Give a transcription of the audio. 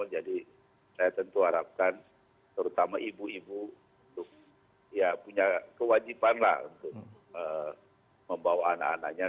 jadi saya tentu harapkan terutama ibu ibu untuk ya punya kewajiban lah untuk membawa anak anaknya